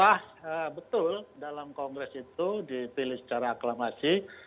ya sah betul dalam kongres itu dipilih secara aklamasi